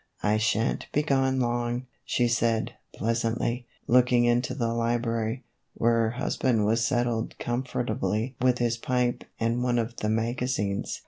" I sha' n 't be gone long," she said, pleasantly, looking into the library, where her husband was settled comfortably with his pipe and one of the magazines.